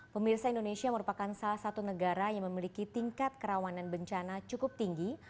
pemirsa indonesia merupakan salah satu negara yang memiliki tingkat kerawanan bencana cukup tinggi